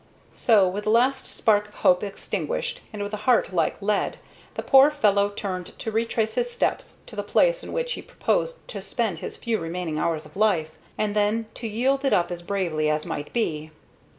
So, with the last spark of hope extinguished, and with a heart like lead, the poor fellow turned to retrace his steps to the place in which he proposed to spend his few remaining hours of life, and then to yield it up as bravely as might be.